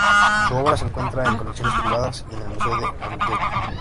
Su obra se encuentra en colecciones privadas y en el Museo de Antioquia.